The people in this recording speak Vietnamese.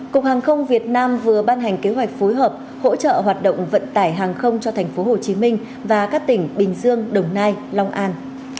cục hàng không việt nam vừa ban hành kế hoạch phối hợp hỗ trợ hoạt động vận tải hàng không cho tp hcm và các tỉnh bình dương đồng nai long an